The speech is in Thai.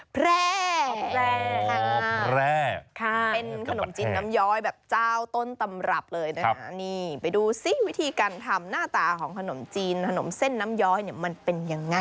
แพร่หอมแร่เป็นขนมจีนน้ำย้อยแบบเจ้าต้นตำรับเลยนะคะนี่ไปดูซิวิธีการทำหน้าตาของขนมจีนขนมเส้นน้ำย้อยเนี่ยมันเป็นยังไง